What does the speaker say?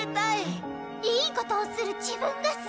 良いことをする自分が好き。